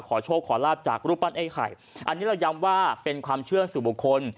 ขอโชคขอลาบจากรูปปั้นไอ้ไข่อันนี้เราย้ำว่าเป็นความเชื่อสู่บุคคล